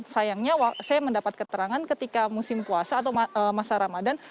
sayangnya saya mendapat keterangan ketika musim puasa atau masa ramadan